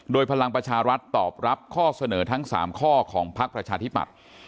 โดยพลังประชารัฐตอบรับข้อเสนอทั้ง๓ข้อของพักประชาธิปัตย์